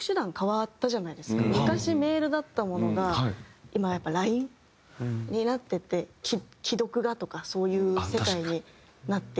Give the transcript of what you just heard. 昔メールだったものが今はやっぱＬＩＮＥになってて「既読が」とかそういう世界になっていったので。